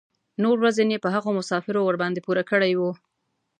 نور وزن یې په هغو مسافرو ورباندې پوره کړی و.